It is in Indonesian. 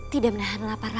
tidak menahan lapar